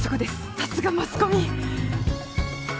さすがマスコミ。